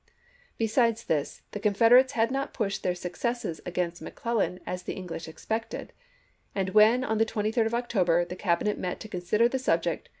Besides this, the Confederates had not pushed their successes against McClellan as the English expected ; and when, on the 23d of October, the Cabinet met to consider the subject, 1862.